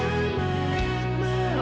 kamu tidak tahu sendiri